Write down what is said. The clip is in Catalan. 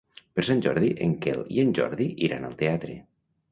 Per Sant Jordi en Quel i en Jordi iran al teatre.